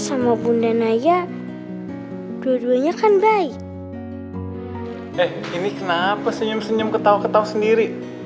sama bunda naya dua duanya kan baik ini kenapa senyum senyum ketawa ketawa sendiri